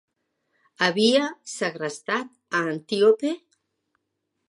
Havia segrestat a Antíope?